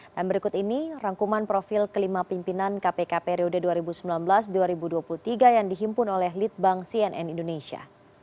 dan berikut ini rangkuman profil kelima pimpinan kpk periode dua ribu sembilan belas dua ribu dua puluh tiga yang dihimpun oleh litbang cnn indonesia